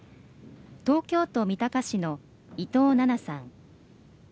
東京都三鷹市の伊藤奈々さん